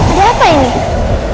ada apa ini